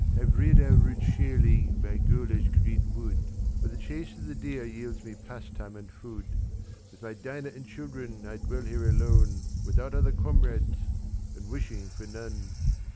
"I've reared our rude shieling by Gola's green wood, Where the chase of the deer yields me pastime and food: With my Dinah and children I dwell here alone, Without other comrades and wishing for none.